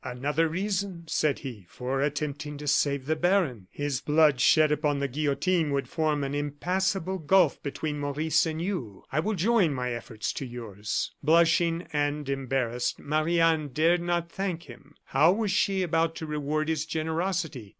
"Another reason," said he, "for attempting to save the baron! His blood shed upon the guillotine would form an impassable gulf between Maurice and you. I will join my efforts to yours." Blushing and embarrassed, Marie Anne dared not thank him. How was she about to reward his generosity?